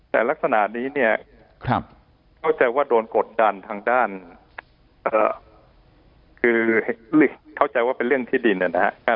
แต่ลักษณะนี้เนี่ยเข้าใจว่าโดนกดดันทางด้านคือเข้าใจว่าเป็นเรื่องที่ดินนะครับ